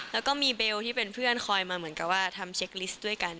แล้วก็มีเบลที่เป็นเพื่อนคอยมาเหมือนกับว่าทำเช็คลิสต์ด้วยกัน